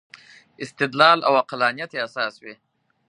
استدلال او عقلانیت یې اساس وي.